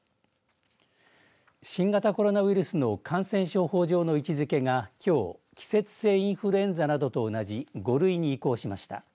新型コロナウイルスの感染症法上の位置づけがきょう季節性インフルエンザなどと同じ５類に移行しました。